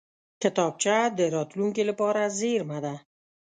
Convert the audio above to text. کتابچه د راتلونکې لپاره زېرمه ده